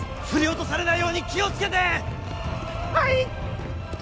振り落とされないように気を付けて！はいっ！